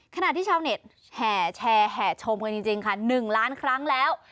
ขณะที่ชาวเน็ตแห่แชร์แห่ชมกันจริงค่ะ๑ล้านครั้งแล้ว